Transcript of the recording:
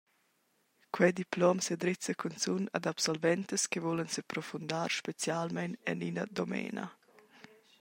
Quei diplom sedrezza cunzun ad absoventas che vulan seprofundar specialmein en ina domena.